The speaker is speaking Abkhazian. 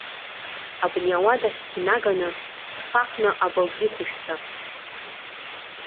Абни ауадахь днаганы, дԥахны абылтә иқәышәҭәа.